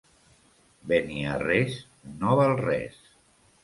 Beniarrés no val res.